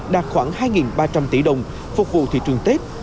đạt khoảng hai ba trăm linh tỷ đồng phục vụ thị trường tết